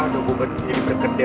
aduh gue jadi bergedel